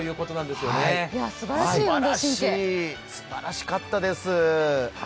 すばらしかったです。